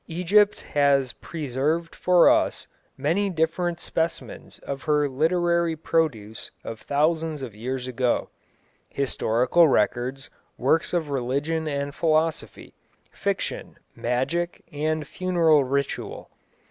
Egypt has preserved for us many different specimens of her literary produce of thousands of years ago historical records, works of religion and philosophy, fiction, magic, and funeral ritual.